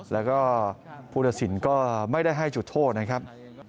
แล้วก็ภูทรศิลป์ก็ไม่ได้ให้จุดโทษนะครับ